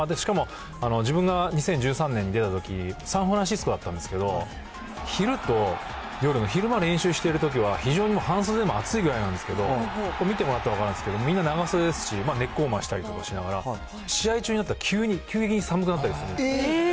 しかも自分が２０１３年に出たとき、サンフランシスコだったんですけど、昼と夜の、昼間練習してるときは非常に半袖でも暑いぐらいなんですけど、見てもらったら分かるんですけど、みんな長袖ですし、ネックウォーマーしたりしながら、試合中になったら急に、急に寒くなったりするんです。